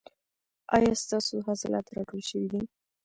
ایا ستاسو حاصلات راټول شوي دي؟